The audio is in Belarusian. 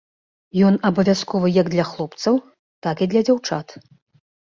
Ён абавязковы як для хлопцаў, так і для дзяўчат.